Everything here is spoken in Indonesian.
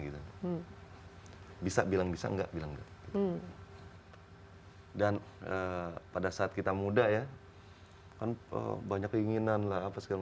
gitu bisa bilang bisa enggak bilang dan pada saat kita muda ya kan banyak keinginan lah apa segala